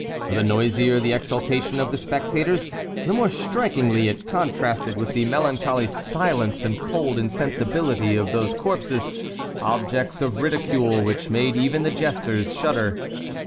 The noisier the exultation of the spectators, the more strikingly it contrasted with the melancholy silence and cold insensibility of those corpses—objects of ridicule which made even the jesters shudder.